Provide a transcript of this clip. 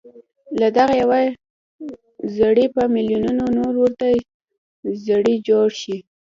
له دغه يوه زړي په ميليونونو نور ورته زړي جوړ شي.